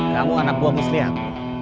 kamu anak buah muslihat